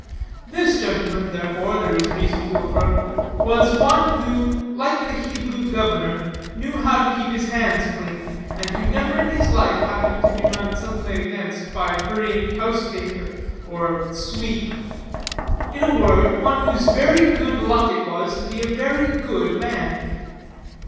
This gentleman, therefore, there is reason to affirm, was one who, like the Hebrew governor, knew how to keep his hands clean, and who never in his life happened to be run suddenly against by hurrying house painter, or sweep; in a word, one whose very good luck it was to be a very good man.